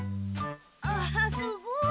あすごい！